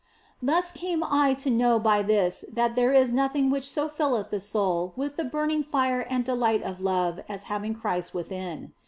Thus came I to know by this that there is nothing which so filleth the soul with the burning fire and delight of love as having Christ within.